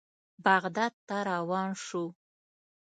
بغداد ته روان شوو.